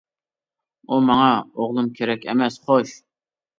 ئۇ: ماڭا ئوغلۇم كېرەك ئەمەس، خوش!